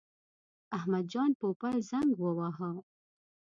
احمد جان پوپل زنګ وواهه.